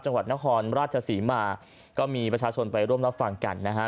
จังหวัดนครราชศรีมาก็มีประชาชนไปร่วมรับฟังกันนะฮะ